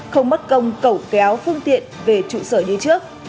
không mất công tẩu kéo phương tiện về trụ sở đi trước